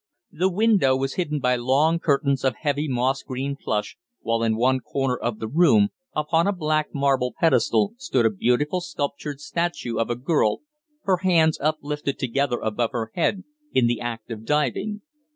The window was hidden by long curtains of heavy moss green plush, while in one corner of the room, upon a black marble pedestal, stood a beautiful sculptured statuette of a girl, her hands uplifted together above her head in the act of diving.